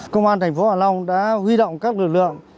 công an tp hà long đã huy động các lực lượng